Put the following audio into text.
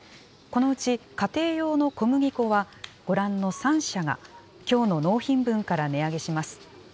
このうち家庭用の小麦粉は、ご覧の３社がきょうの納品分から値上げします。